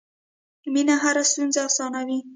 مینه هره ستونزه اسانوي.